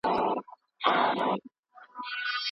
که سړه شپه اوږده سي